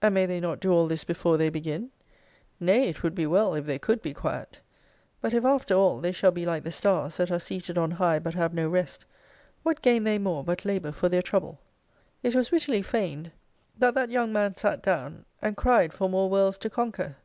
And may they not do all this before they begin ? Nay it would be well, if they could be quiet. But if after all, they shall be like the stars, that are seated on high, but have no rest, what gain they more, but labour for their trouble ? It was wittily feigned that that young man sat down and l6 cried for more worlds to conquer.